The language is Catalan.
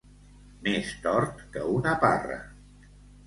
Més tort que una parra.